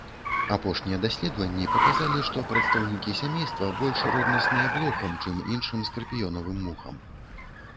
Апошнія даследаванні паказалі, што прадстаўнікі сямейства больш роднасныя блохам, чым іншым скарпіёнавым мухам.